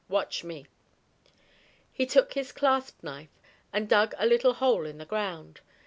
Watch me." He took his clasp knife and dug a little hole in the ground.